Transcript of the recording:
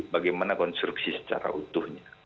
bagaimana konstruksi secara utuhnya